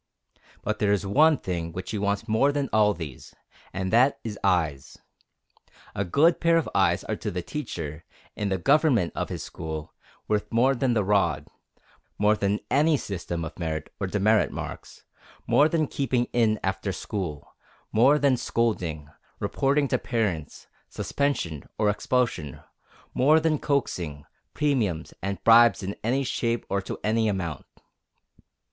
But there is one thing which he wants more than all these, and that is EYES. A good pair of eyes are to the teacher, in the government of his school, worth more than the rod, more than any system of merit or demerit marks, more than keeping in after school, more than scolding, reporting to parents, suspension, or expulsion, more than coaxing, premiums, and bribes in any shape or to any amount.